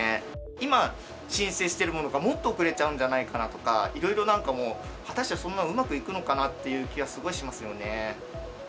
今、申請しているものが、もっと遅れちゃうんじゃないかなとか、いろいろなんかもう、果たして、そんなうまくいくのかなっていう気がすごいしますよね。